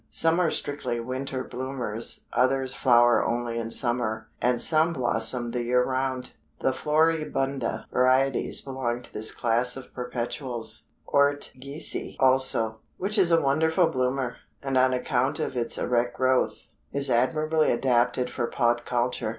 Some are strictly winter bloomers, others flower only in summer, and some blossom the year round. The floribunda varieties belong to this class of perpetuals. Ortgiesi also, which is a wonderful bloomer, and on account of its erect growth, is admirably adapted for pot culture.